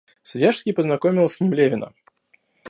Свияжский познакомил с ним Левина.